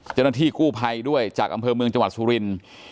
เจ้าหน้าที่กู้ภัยด้วยจากอำเภอเมืองจังหวัดสุรินทร์